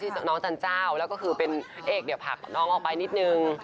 ชื่อน้องจันเจ้าแล้วก็คือเป็นเอกผักน้องออกไปนิดหนึ่ง